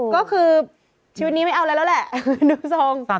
ก็คือชีวิตนี้ไม่เอาอะไรแล้วแหละทรง